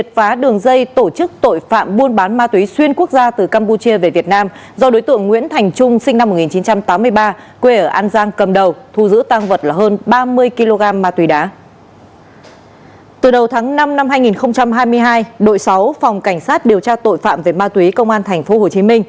từ đầu năm hai nghìn hai mươi hai đội sáu phòng cảnh sát điều tra tội phạm về ma túy công an tp hcm